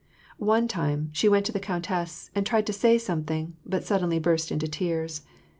One time, she went to the countess, and tried to say some thing, but suddenly burst into tears.